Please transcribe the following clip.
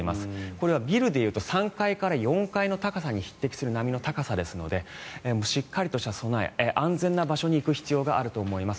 これはビルでいうと３階から４階の高さに匹敵する波の高さですのでしっかりとした備え安全な場所に行く必要があります。